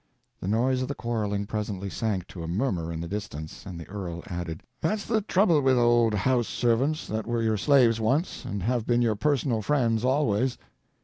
The noise of the quarreling presently sank to a murmur in the distance, and the earl added: "That's a trouble with old house servants that were your slaves once and have been your personal friends always."